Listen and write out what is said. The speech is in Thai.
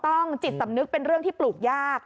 จิตสำนึกเป็นเรื่องที่ปลูกยาก